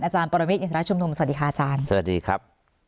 อาจารย์ประวิทย์อินทรัศน์ชมนุมสวัสดีค่ะอาจารย์สวัสดีครับ